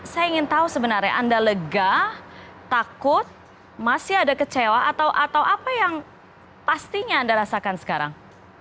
saya ingin tahu sebenarnya anda lega takut masih ada kecewa atau apa yang pastinya anda rasakan sekarang